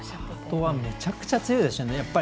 ハートはめちゃくちゃ強いですね。